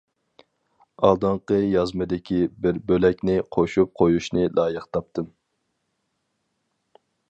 ئالدىنقى يازمىدىكى بىر بۆلەكنى قوشۇپ قويۇشنى لايىق تاپتىم.